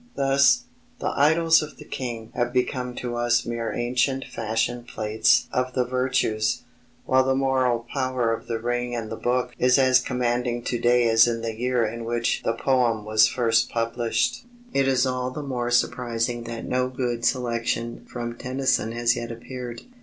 Thus, The Idylls of the King have become to us mere ancient fashion plates of the virtues, while the moral power of The Ring and the Book is as commanding to day as in the year in which the poem was first published. It is all the more surprising that no good selection from Tennyson has yet appeared.